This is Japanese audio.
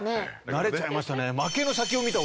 慣れちゃいましたね。